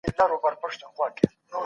شواهد قطعي نه دي.